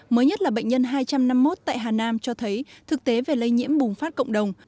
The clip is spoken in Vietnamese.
mới nhất là bệnh nhân hai trăm năm mươi một tại hà nam cho thấy thực tế về lây nhiễm bùng phát cộng đồng